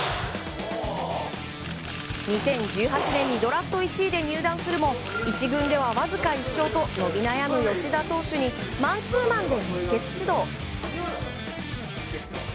２０１８年にドラフト１位で入団するも１軍ではわずか１勝と伸び悩む吉田投手にマンツーマンで熱血指導。